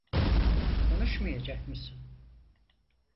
Konuşmayacak mısın?